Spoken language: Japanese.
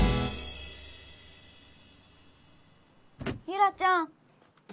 ユラちゃん。